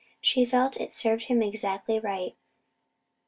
She felt it served him exactly right.